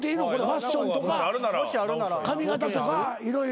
ファッションとか髪形とか色々。